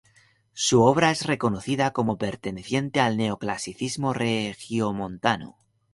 Su obra es reconocida como perteneciente al neoclasicismo regiomontano.